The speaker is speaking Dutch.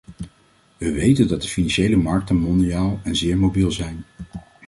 We weten dat de financiële markten mondiaal en zeer mobiel zijn.